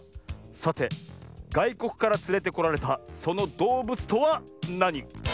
さてがいこくからつれてこられたそのどうぶつとはなに？